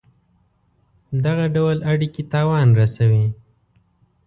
دغه ډول اړېکي تاوان رسوي.